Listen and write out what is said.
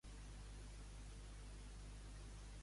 Què suposa això a la Moncloa?